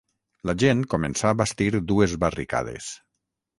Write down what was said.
La gent començà a bastir dues barricades